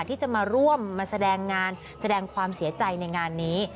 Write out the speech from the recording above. ที่จะมาร่วมมาแสดงงานแสดงความเสียใจในงานนี้